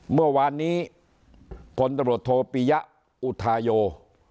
เมื่อวานนี้พลตำรวจโทปิยะอุทาโย